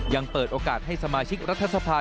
ยังเปิดโอกาสให้สมาชิกรัฐสภา